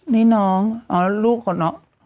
นี่น้องลูกคุณ